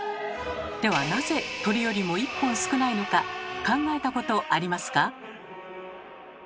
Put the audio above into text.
ではなぜ「鳥」よりも一本少ないのか考えたことありますか？